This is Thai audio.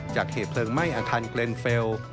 เหตุเพลิงไหม้อาคารเกรนเฟลล์